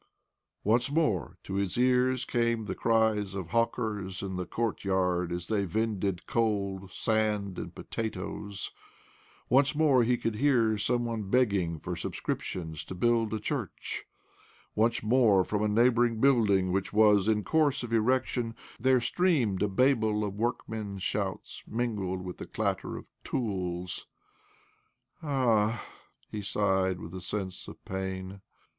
Once more to his ears came the cries of hawkers in the courtyard as they vended coal, sand, and potatoes ; once more he could hear some one begging for sub scriptions to build a church ; once more from a neighbouring building which was in course of erection there streamed a babel of workmen's shouts, mingled with the clatter of tools. " Ah !" he sighed with a sense of pain.